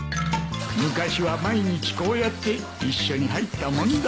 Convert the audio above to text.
昔は毎日こうやって一緒に入ったもんだ。